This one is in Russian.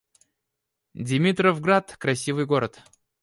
Димитровград — красивый город